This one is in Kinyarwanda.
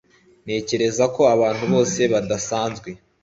ntekereza ko abantu bose badasanzwe